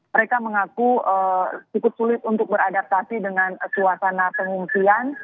mereka mengaku cukup sulit untuk beradaptasi dengan suasana pengungsian